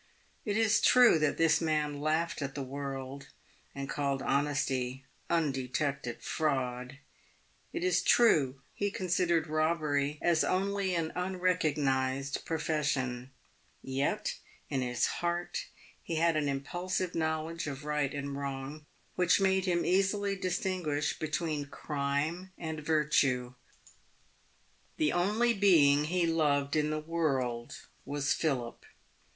It is true this man laughed at the world, and called honesty un detected fraud ; it is true he considered robbery as only an unre cognised profession ; yet in his heart he had an impulsive knowledge of right and wrong, which made him easily distinguish between crime and virtue. The only being he loved in the world was Philip.